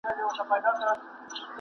بل ضرر څنګه دفع کیږي؟